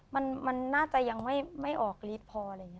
มันน่าจะยังไม่ออกฤทธิ์พออะไรอย่างนี้